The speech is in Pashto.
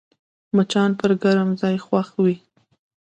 مچان پر ګرم ځای خوښ وي